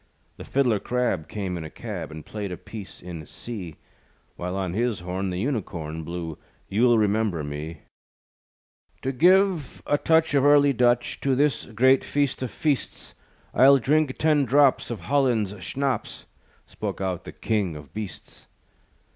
The fiddler crab Came in a cab, And played a piece in C; While on his horn, The Unicorn Blew, You'll Remember Me. "To give a touch Of early Dutch To this great feast of feasts, I'll drink ten drops Of Holland's schnapps," Spoke out the King of Beasts.